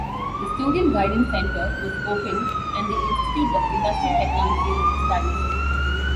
The Student Guidance Center was opened and the Institute of Industrial Technology was established.